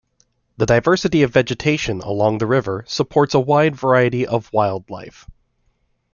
The diversity of vegetation along the river supports a wide variety of wildlife.